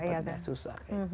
dari mana susah